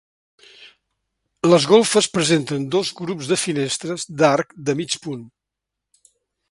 Les golfes presenten dos grups de finestres d'arc de mig punt.